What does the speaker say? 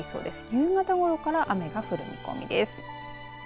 夕方ごろから雨が降る見込みです。